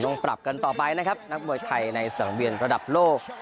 ปรับกันต่อไปนะครับนักมวยไทยในสังเวียนระดับโลก